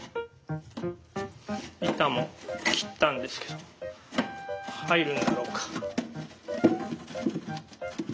板も切ったんですけど入るんだろうか？